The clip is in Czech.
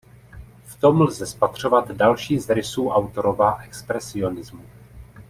V tom lze spatřovat další z rysů autorova expresionismu.